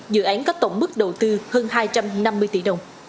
dự án có tổng mức đầu tư hơn hai trăm năm mươi tỷ đồng